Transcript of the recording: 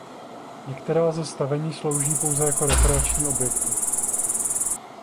Některá ze stavení slouží pouze jako rekreační objekty.